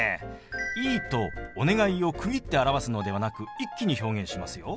「いい」と「お願い」を区切って表すのではなく一気に表現しますよ。